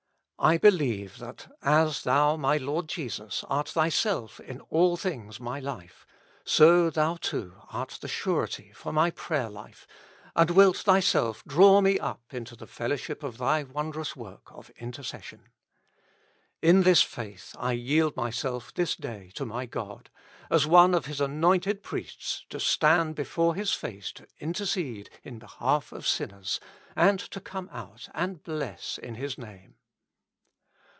I believe that, as Thou my Lord Jesus art Thyself in all things my life, so Thou, too, art the Surety FOR MY Prayer life, and wilt Thyself draw me up into the fellowship of Thy wondrous work of inter cession. In this faith I yield myself this day to my God, as one of His anointed priests, to stand before His face to intercede in behalf of sinners, and to come out and bless in His Name.